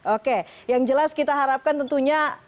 oke yang jelas kita harapkan tentunya